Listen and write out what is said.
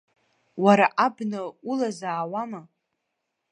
Уара абна улазаауама?